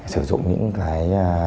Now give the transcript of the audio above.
sử dụng những cái